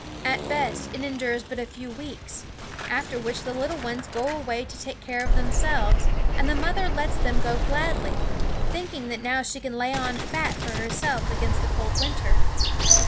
At best it endures but a few weeks, THE WOODS after which the little ones go away to take care of themselves, and the mother lets them go gladly, thinking that now she can lay on fat for herself against the cold winter.